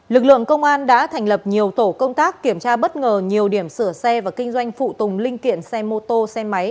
lực lượng công an đã thành lập nhiều tổ công tác kiểm tra bất ngờ nhiều điểm sửa xe và kinh doanh phụ tùng linh kiện xe mô tô xe máy